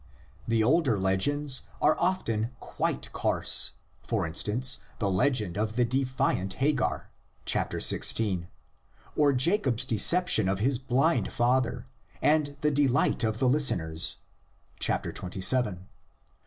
The older legends are often quite coarse: for instance, the legend of the defiant Hagar (xvi.), or Jacob's deception of his blind father and the de light of the listeners (xxvii.)